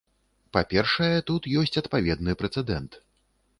Па-першае, тут ёсць адпаведны прэцэдэнт.